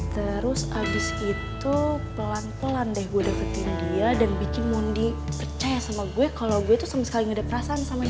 terus abis itu pelan pelan deh gue deketin dia dan bikin mundi percaya sama gue kalau gue tuh sama sekali gak ada perasaan sama